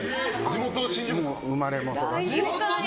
生まれも育ちも。